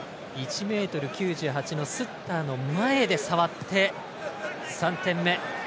１ｍ９８のスッターの前で触って３点目。